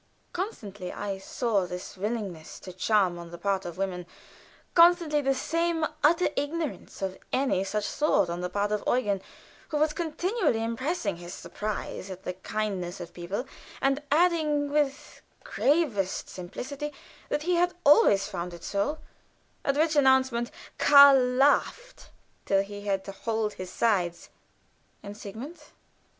Constantly I saw this willingness to charm on the part of women; constantly the same utter ignorance of any such thought on the part of Eugen, who was continually expressing his surprise at the kindness of people, and adding with the gravest simplicity that he had always found it so, at which announcement Karl laughed till he had to hold his sides. And Sigmund?